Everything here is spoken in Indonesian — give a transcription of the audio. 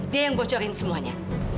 dia yang bocorin semuanya